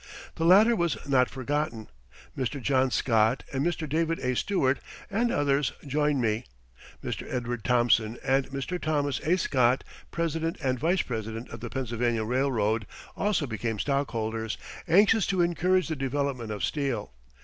The latter was not forgotten. Mr. John Scott and Mr. David A. Stewart, and others joined me; Mr. Edgar Thomson and Mr. Thomas A. Scott, president and vice president of the Pennsylvania Railroad, also became stockholders, anxious to encourage the development of steel.